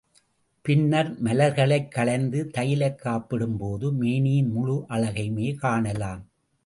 பின்னர் மலர்களைக் களைந்து தைலக் காப்பிடும்போது மேனியின் முழு அழகையுமே காணலாம்.